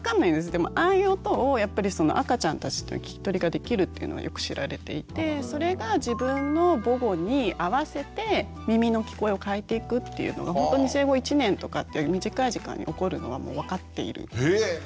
でもああいう音をやっぱりその赤ちゃんたちっていうのは聞き取りができるっていうのはよく知られていてそれが自分の母語に合わせて耳の聞こえを変えていくっていうのがほんとに生後１年とかっていう短い時間に起こるのはもう分かっているんですね。